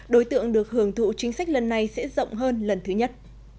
đối tượng được hưởng thụ chính sách lần này sẽ rộng hơn lần thứ nhất